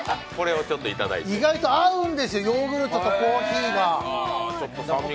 意外と合うんですよ、ヨーグルトとコーヒーが。